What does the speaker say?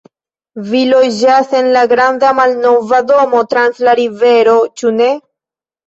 Vi loĝas en la granda, malnova domo trans la rivereto, ĉu ne?